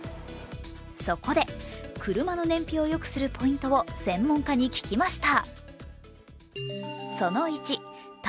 そこで車の燃費をよくするポイントを専門家に聞きました。